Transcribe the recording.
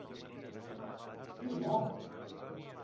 És bo.